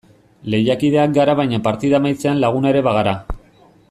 Lehiakideak gara baina partida amaitzean laguna ere bagara.